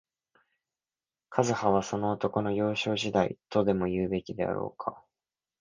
一葉は、その男の、幼年時代、とでも言うべきであろうか